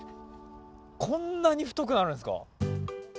こんなに太くなるんですか。